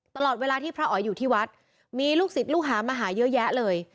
ตลอดเวลาที่พระอ๋อยอยู่ที่วัดมีลูกศิษย์ลูกหามาหาเยอะแยะเลย